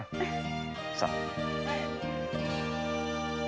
さあ。